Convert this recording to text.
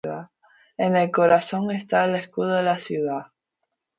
En el corazón está el escudo de la ciudad.